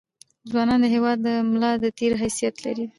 ځونان دهیواد دملا دتیر حیثت لري